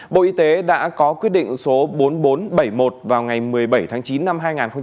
bộ y tế đã có quyết định số bốn nghìn bốn trăm bảy mươi một vào ngày một mươi bảy tháng chín năm hai nghìn hai mươi